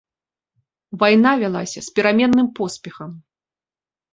Вайна вялася з пераменным поспехам.